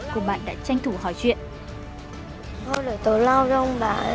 cô bạn đã tranh thủ hỏi chuyện